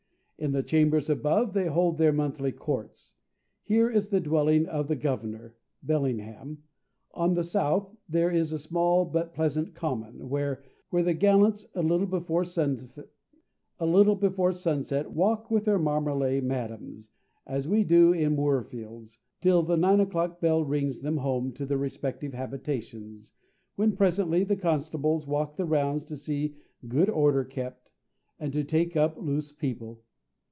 In the chambers above they hold their monthly courts. Here is the dwelling of the Governor (Bellingham). On the south there is a small but pleasant common, where the gallants, a little before sunset, walk with their marmalet madams, as we do in Moorfields, till the nine o'clock bell rings them home to their respective habitations; when presently, the constables walk the rounds to see good order kept, and to take up loose people."